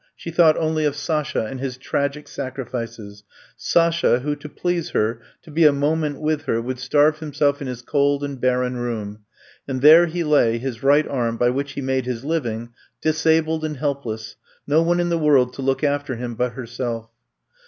She thought only of Sasha and his tragic sacri fices ; Sasha, who to please her, to be a mo ment with her, would starve himself in his •cold and barren room. And there he lay, his right arm, by which he made his living, disabled and helpless, no one in the world to look after him but herself.